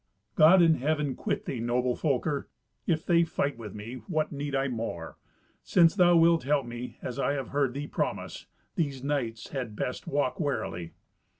"God in Heaven quit thee, noble Folker! If they fight with me, what need I more. Since thou wilt help me, as I have heard thee promise, these knights had best walk warily."